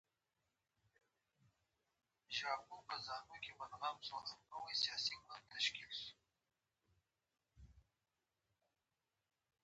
له يؤه مخه يې درد وي له بل مخه يې دوا